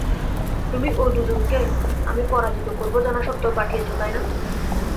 তুমি ওই দুজনকে আমি পরাজিত করবো জানা সত্ত্বেও পাঠিয়েছো, তাই না?